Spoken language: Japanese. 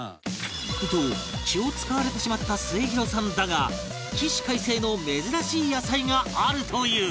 と気を使われてしまった末廣さんだが起死回生の珍しい野菜があるという